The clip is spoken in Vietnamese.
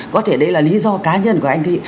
có thể đấy là lý do cá nhân của anh thị